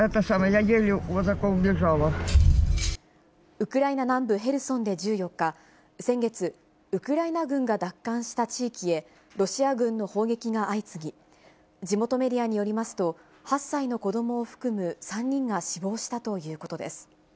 ウクライナ南部ヘルソンで１４日、先月、ウクライナ軍が奪還した地域へ、ロシア軍の砲撃が相次ぎ、地元メディアによりますと、８歳の子どもを含む３人が死亡したということです。